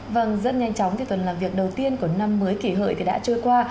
vâng rất nhanh chóng tuần làm việc đầu tiên của năm mới kỷ hợi đã trôi qua